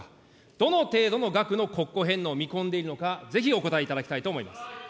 どの程度の額の国庫返納を見込んでいるのか、ぜひお答えいただきたいと思います。